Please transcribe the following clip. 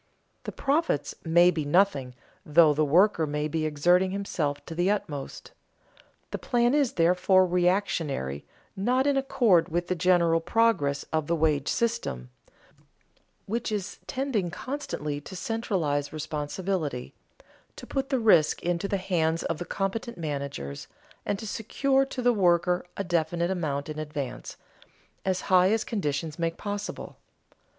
The "profits" may be nothing, though the worker may be exerting himself to the utmost. The plan is, therefore, reactionary, not in accord with the general progress of the wage system, which is tending constantly to centralize responsibility, to put the risk into the hands of competent managers, and to secure to the worker a definite amount in advance, as high as conditions make possible.